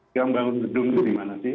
yang membangun gedung itu dimana sih